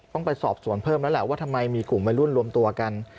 ต้องไปสอบสวนเพิ่มแล้วแหละว่าทำไมมีกลุ่มวัยรุ่นรวมตัวกัน